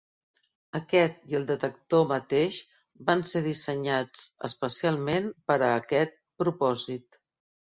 Aquest i el detector mateix van ser dissenyats especialment per a aquest propòsit.